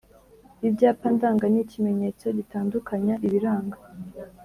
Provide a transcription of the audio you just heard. ibyapa ndanga n'ikimenyetso gitandukanya ibiranga.